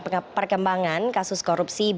selain itu ada perkembangan kasus korupsi di kppt